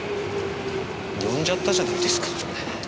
呼んじゃったじゃないですか。